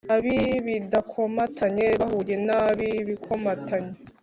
ab’ibidakomatanye bahuye n’abi ibikomatanye